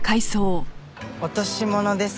落とし物ですか？